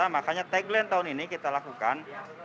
makanya tagline tahun ini kita lakukan